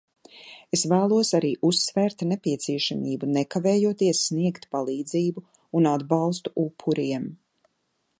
Es vēlos arī uzsvērt nepieciešamību nekavējoties sniegt palīdzību un atbalstu upuriem.